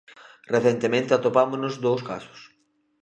Recentemente atopámonos dous casos.